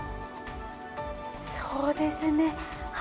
そうですね。